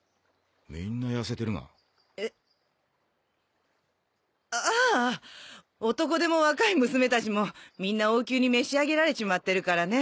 みんな痩せてるがえっあああ男手も若い娘たちもみんな王宮に召し上げられちまってるからね